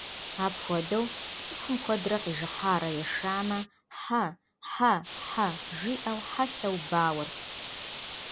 Апхуэдэу, цӀыхум куэдрэ къижыхьарэ ешамэ «хьэ-хьэ-хьэ» жиӀэу хьэлъэу бауэрт.